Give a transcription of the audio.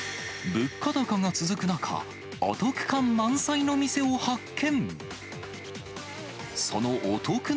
物価高が続く中、お得感満載の店を発見。